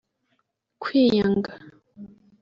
kwiyanga